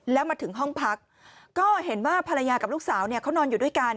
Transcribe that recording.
แล้วมาถึงห้องพักก็เห็นว่าภรรยากับลูกสาวเขานอนอยู่ด้วยกัน